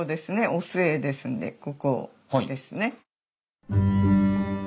「御末」ですんでここですね。